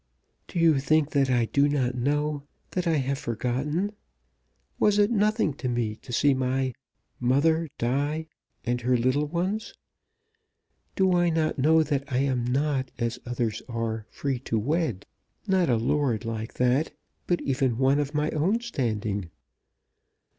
"Do you think that I do not know, that I have forgotten? Was it nothing to me to see my mother die, and her little ones? Do I not know that I am not, as others are, free to wed, not a lord like that, but even one of my own standing?